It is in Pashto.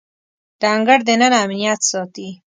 د انګړ دننه امنیت ساتي.